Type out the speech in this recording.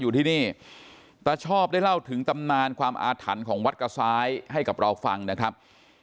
อยู่ที่นี่ตาชอบได้เล่าถึงตำนานความอาถรรพ์ของวัดกระซ้ายให้กับเราฟังนะครับ